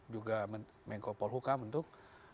juga menko polhukam untuk